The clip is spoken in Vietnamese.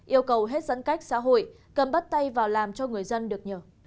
yêu cầu hết giãn cách xã hội cần bắt tay vào làm cho người dân được nhờ